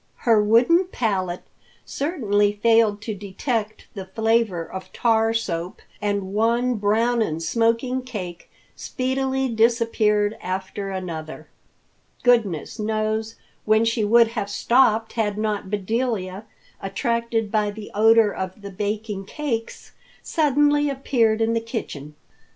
Her wooden palate certainly failed to detect the flavor of tar soap, and one brown and smoking cake speedily disappeared after another. Goodness knows when she would have stopped had not Bedelia, attracted by the odor of the baking cakes, suddenly appeared in the kitchen.